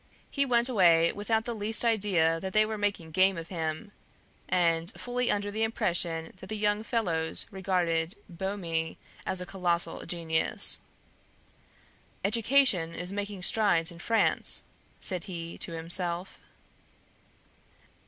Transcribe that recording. He went away without the least idea that they were making game of him, and fully under the impression that the young fellows regarded Boehme as a colossal genius. "Education is making strides in France," said he to himself.